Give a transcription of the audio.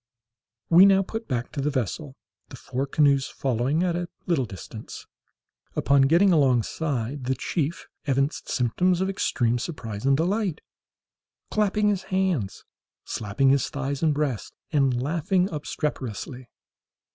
We now put back to the vessel, the four canoes following at a little distance. Upon getting alongside, the chief evinced symptoms of extreme surprise and delight, clapping his hands, slapping his thighs and breast, and laughing obstreperously.